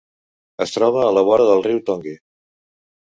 Es troba a la vora del riu Tongue.